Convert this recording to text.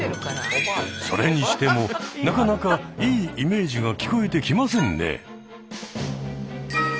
それにしてもなかなかいいイメージが聞こえてきませんねえ。